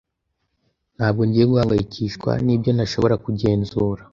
Ntabwo ngiye guhangayikishwa nibyo ntashobora kugenzura.